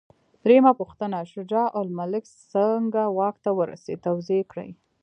درېمه پوښتنه: شجاع الملک څنګه واک ته ورسېد؟ توضیح یې کړئ.